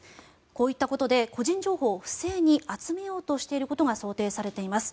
こういったことで個人情報を不正に集めようとしていることが想定されています。